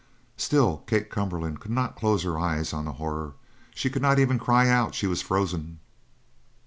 Still Kate Cumberland could not close her eyes on the horror. She could not even cry out; she was frozen.